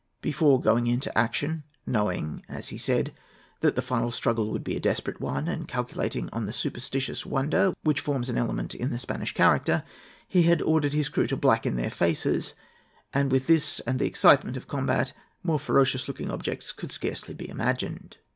Before going into action, "knowing," as he said, "that the final struggle would be a desperate one, and calculating on the superstitious wonder which forms an element in the Spanish character," he had ordered his crew to blacken their faces; and, "what with this and the excitement of combat, more ferocious looking objects could scarcely be imagined."